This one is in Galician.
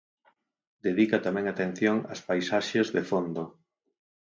Dedica tamén atención ás paisaxes de fondo.